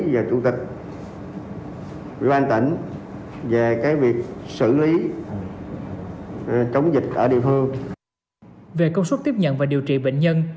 về công suất tiếp nhận và điều trị bệnh nhân